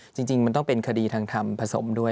จริงมันต้องเป็นคดีทางธรรมผสมด้วย